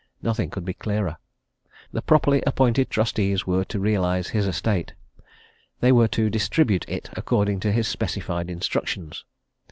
Nothing could be clearer. The properly appointed trustees were to realize his estate. They were to distribute it according to his specified instructions.